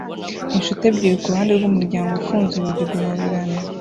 Inshuti ebyiri kuruhande rwumuryango ufunze urugi guhobera